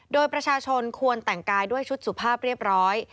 โดยประชาชนควรแต่งกายด้วยชุดสุภาพเรียบร้อย